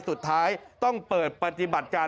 สุดท้ายต้องเปิดปฏิบัติการ